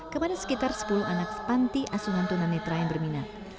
kepada sekitar sepuluh anak panti asuhan tunanetra yang berminat